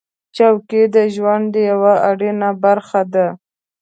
چوکۍ د ژوند یوه اړینه برخه ده.